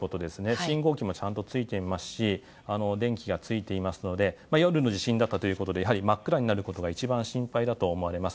信号機もちゃんとついていますし電気がついていますので夜の地震だったということなのでやはり真っ暗になることが一番心配だと思われます。